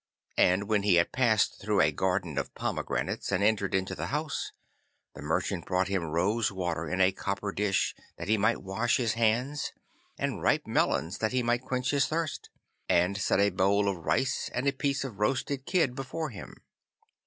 And when he had passed through a garden of pomegranates and entered into the house, the merchant brought him rose water in a copper dish that he might wash his hands, and ripe melons that he might quench his thirst, and set a bowl of rice and a piece of roasted kid before him.